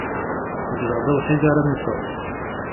Ugdeɣ d awḥid ara mmteɣ.